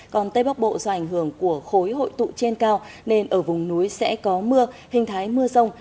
còn tây bắc bộ do ảnh hưởng của khối hội tụ trên cao nên ở vùng núi sẽ có mưa hình thái mưa rông